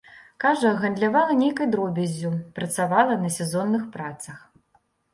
Кажа, гандлявала нейкай дробяззю, працавала на сезонных працах.